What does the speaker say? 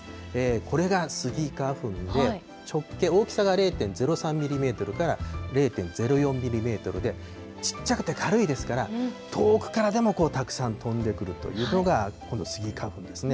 これがスギ花粉で、直径、大きさが０．０３ミリメートルから０．０４ミリメートルで、小っちゃくて軽いですから、遠くからでもたくさん飛んでくるというのが、このスギ花粉ですね。